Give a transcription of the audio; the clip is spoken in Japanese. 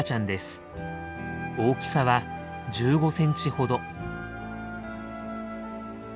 大きさは１５センチほど。